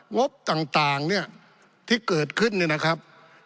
งบต่างเนี่ยที่เกิดขึ้นเนี่ยนะครับ